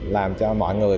làm cho mọi người